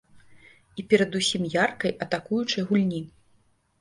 І перадусім яркай атакуючай гульні.